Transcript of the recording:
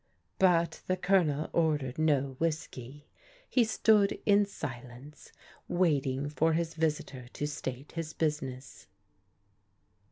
But the Colonel ordered no whiskey. He stood in silence waiting for his visitor to state his business.